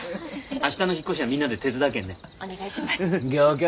明日の引っ越しはみんなで手伝うけんね。